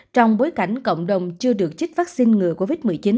trong bối cảnh cộng đồng chưa được chích vaccine ngừa covid một mươi chín